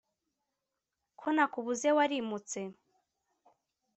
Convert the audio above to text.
Ko nakubuze warimutse